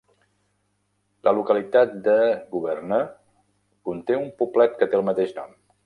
La localitat de Gouverneur conté un poblet que té el mateix nom.